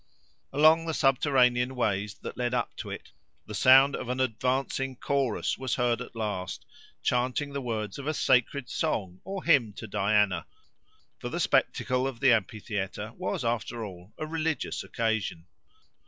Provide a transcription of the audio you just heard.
Along the subterranean ways that led up to it, the sound of an advancing chorus was heard at last, chanting the words of a sacred song, or hymn to Diana; for the spectacle of the amphitheatre was, after all, a religious occasion.